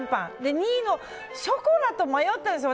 ２位のショコラと迷ってるんですよ。